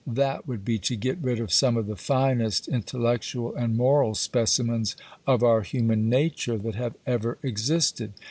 That would be to get rid of some of the finest intellectual and moral specimens of our human nature that have ever existed.